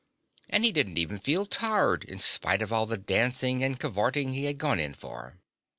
And he didn't even feel tired, in spite of all the dancing and cavorting he had gone in for.